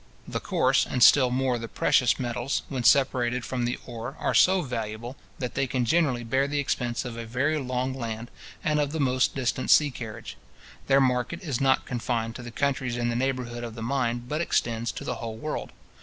The coarse, and still more the precious metals, when separated from the ore, are so valuable, that they can generally bear the expense of a very long land, and of the most distant sea carriage. Their market is not confined to the countries in the neighbourhood of the mine, but extends to the whole world.